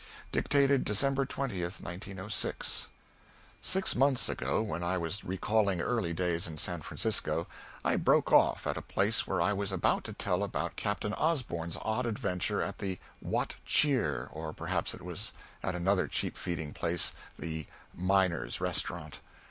[Dictated December 20, 1906.] Six months ago, when I was recalling early days in San Francisco, I broke off at a place where I was about to tell about Captain Osborn's odd adventure at the "What Cheer," or perhaps it was at another cheap feeding place the "Miners' Restaurant."